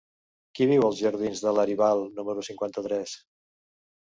Qui viu als jardins de Laribal número cinquanta-tres?